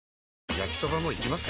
焼きソバもいきます？